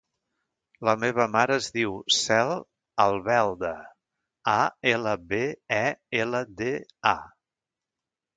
La meva mare es diu Cel Albelda: a, ela, be, e, ela, de, a.